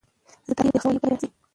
زه تاته ډېر دیغ سوی یم کله به راځي؟